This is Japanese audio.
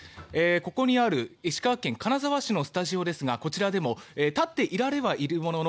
ここにある石川県金沢市のスタジオですが、こちらでも立っていられはいるものの